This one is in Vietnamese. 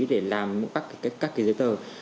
để làm các cái giấy tờ